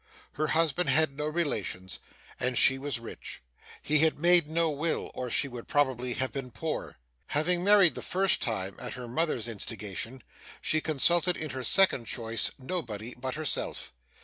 Her husband had no relations, and she was rich. He had made no will, or she would probably have been poor. Having married the first time at her mother's instigation, she consulted in her second choice nobody but herself.